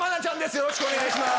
よろしくお願いします。